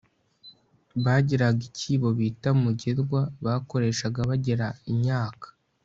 bagiraga ikibo bita mugerwa, bakoreshaga bagera inyaka